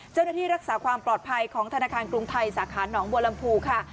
เจ้าหน้าที่รักษาความปลอดภัยของธนาคารกรุงไทยสาขาหนองบัวลำพูค่ะ